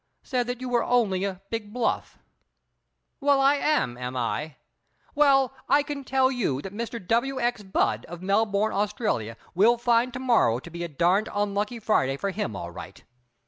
Said that you were only a big bluff." "Oh, I am, am I! Well, I can tell you that Mr. W. X. Budd, of Melbourne, Australia, will find to morrow to be a darned unlucky Friday for him, all right.